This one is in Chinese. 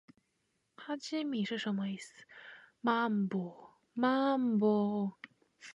哈基米是什么意思？